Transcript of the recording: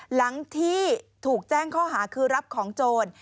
หลังที่ถูกแจ้งข้อหาคือรับของโจร